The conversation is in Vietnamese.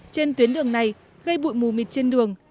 trên tuyến đường này gây bụi mù mịt trên đường